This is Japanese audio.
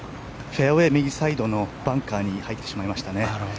フェアウェー右サイドのバンカーに入ってしまいましたね。